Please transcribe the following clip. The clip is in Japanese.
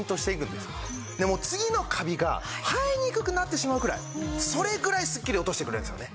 次のカビが生えにくくなってしまうくらいそれぐらいすっきり落としてくれるんですよね。